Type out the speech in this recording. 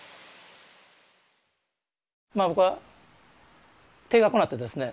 まあ僕は停学になってですね